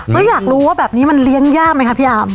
เฮ้ยอยากรู้ว่าแบบนี้มันเลี้ยงยากไหมครับพี่อ่าว